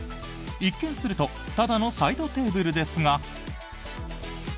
一見するとただのサイドテーブルですが。